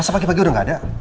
masa pagi pagi udah gak ada